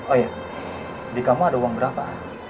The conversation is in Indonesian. oh ya di kamar ada uang berapa